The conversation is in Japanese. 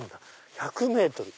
１００ｍ。